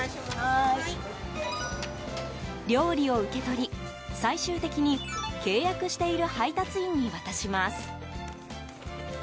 料理を受け取り、最終的に契約している配達員に渡します。